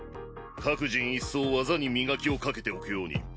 各人一層技に磨きをかけておくように。